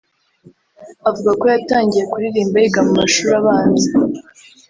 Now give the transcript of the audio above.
Avuga ko yatangiye kuririmba yiga mu mashuri abanza